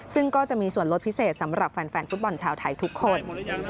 ซึ่งก็จะมีส่วนลดพิเศษสำหรับแฟนฟุตบอลชาวไทยทุกคน